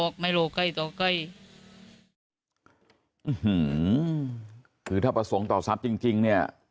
คือถ้าประสงค์ต่อทรัพย์จริงจริงเนี่ย